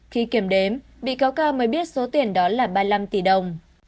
khi kiểm đếm bị cáo ca mới biết số tiền đó là ba mươi năm tỷ đồng